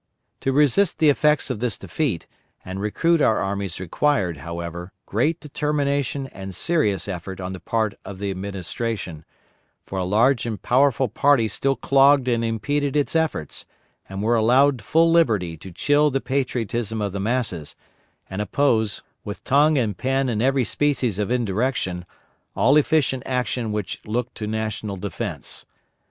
To resist the effects of this defeat and recruit our armies required, however, great determination and serious effort on the part of the Administration; for a large and powerful party still clogged and impeded its efforts, and were allowed full liberty to chill the patriotism of the masses, and oppose, with tongue and pen and every species of indirection, all efficient action which looked to national defence.